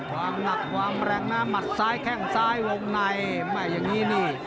ความหนักความแรงหน้ามัดซ้ายแค่ข้างซ้ายวงในนี่